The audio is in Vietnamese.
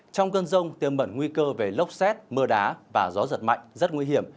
trong cơn rông tiêm bẩn nguy cơ về lốc xét mưa đá và gió giật mạnh rất nguy hiểm